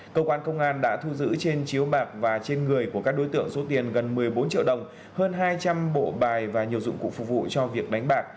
cơ quan công an đã thu giữ trên chiếu bạc và trên người của các đối tượng số tiền gần một mươi bốn triệu đồng hơn hai trăm linh bộ bài và nhiều dụng cụ phục vụ cho việc đánh bạc